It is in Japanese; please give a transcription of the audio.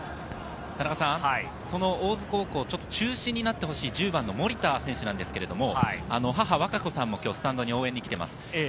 その大津高校、中心になってほしい１０番の森田選手ですが、母・わかこさんもスタンドに応援に来ています。